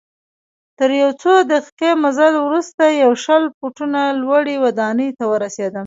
تر یو څو دقیقې مزل وروسته یوه شل فوټه لوړي ودانۍ ته ورسیدم.